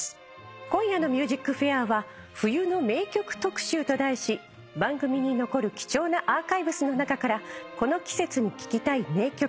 今夜の『ＭＵＳＩＣＦＡＩＲ』は「冬の名曲特集」と題し番組に残る貴重なアーカイブスの中からこの季節に聴きたい名曲名演を厳選してお送りします。